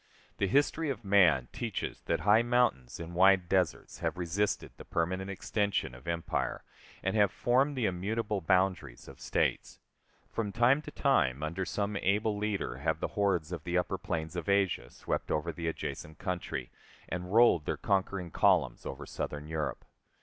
The history of man teaches that high mountains and wide deserts have resisted the permanent extension of empire, and have formed the immutable boundaries of states. From time to time, under some able leader, have the hordes of the upper plains of Asia swept over the adjacent country, and rolled their conquering columns over Southern Europe.